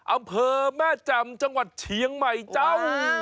อำเภอแม่แจ่มจังหวัดเชียงใหม่เจ้า